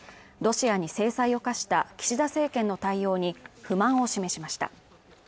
ロシアに制裁を科した岸田政権の対応に不満を示しました